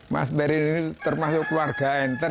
mas peri ini termasuk warga enten